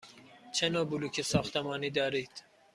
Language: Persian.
چه نوع بلوک ساختمانی دارید؟